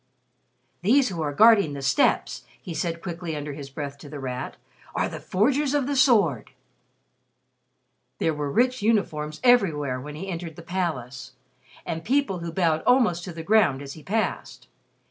"These who are guarding the steps," he said, quickly under his breath to The Rat, "are the Forgers of the Sword!" There were rich uniforms everywhere when he entered the palace, and people who bowed almost to the ground as he passed.